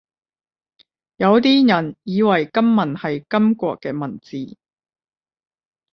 有啲人以為金文係金國嘅文字